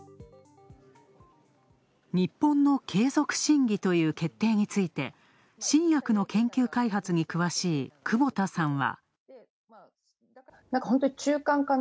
日本の継続審議という決定について、新薬の研究開発に詳しい久保田さんは。